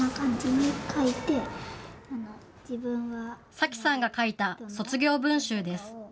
咲希さんが書いた卒業文集です。